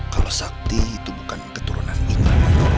kalau sakti itu bukan keturunan iman